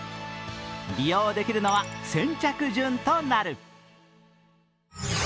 利用できるのは先着順となる。